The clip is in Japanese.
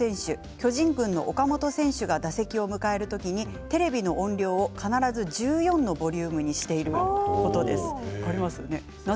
巨人軍の岡本選手が打席を迎える時にテレビの音量を、必ず１４のボリュームにしていることです。